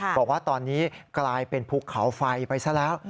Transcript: บอกว่าตอนนี้กลายเป็นภูเขาไฟไปซะแล้ว